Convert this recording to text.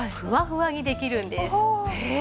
へえ！